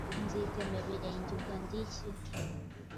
nzitema ibirenge. Ubwo ndi iki?